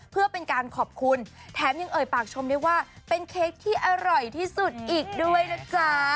เพื่อเป็นการขอบคุณแถมยังเอ่ยปากชมได้ว่าเป็นเค้กที่อร่อยที่สุดอีกด้วยนะจ๊ะ